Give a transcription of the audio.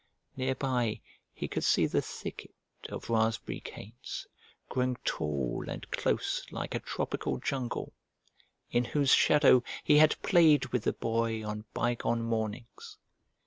Near by he could see the thicket of raspberry canes, growing tall and close like a tropical jungle, in whose shadow he had played with the Boy on bygone mornings.